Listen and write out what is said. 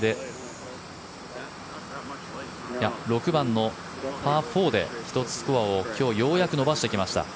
６番のパー４で１つ、スコアを今日ようやく伸ばしてきました。